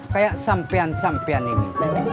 kayak sampian sampian ini